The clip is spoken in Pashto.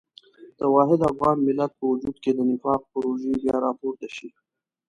د واحد افغان ملت په وجود کې د نفاق پروژې بیا راپورته شي.